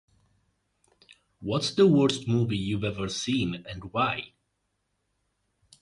What's the worst movie you've ever seen, and why?